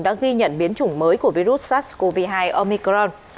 đã ghi nhận biến chủng mới của virus sars cov hai omicron